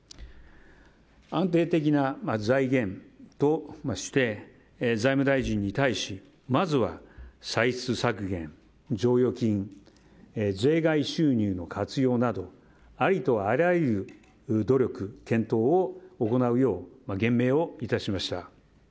安定的な財源として財務大臣に対しまずは歳出削減、剰余金税外収入の活用などありとあらゆる努力、検討を行うよう厳命を致しました。